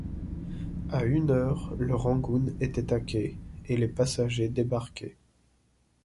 À une heure, le Rangoon était à quai, et les passagers débarquaient.